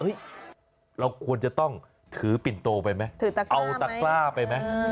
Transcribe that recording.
เราควรจะต้องถือปิ่นโตไปไหมเอาตะกล้าไปไหม